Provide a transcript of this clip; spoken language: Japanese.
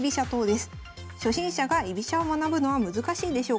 初心者が居飛車を学ぶのは難しいんでしょうか？